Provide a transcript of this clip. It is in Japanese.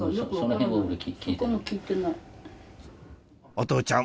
お父ちゃん